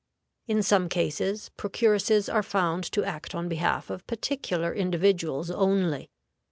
In some cases procuresses are found to act on behalf of particular individuals only.